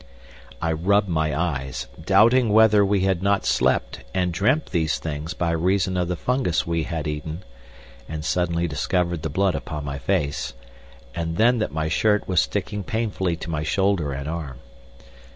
I rubbed my eyes, doubting whether we had not slept and dreamt these things by reason of the fungus we had eaten, and suddenly discovered the blood upon my face, and then that my shirt was sticking painfully to my shoulder and arm.